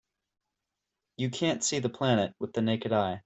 You can't see the planet with the naked eye.